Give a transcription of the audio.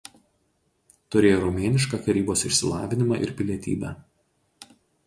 Turėjo romėnišką karybos išsilavinimą ir pilietybę.